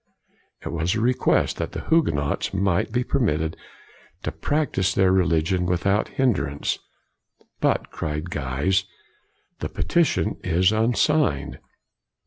1 It was a request that the Huguenots might be per mitted to practise their religion without hindrance. " But," cried Guise, " the petition is unsigned."